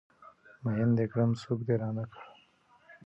ميين د کړم سوک د رانه کړ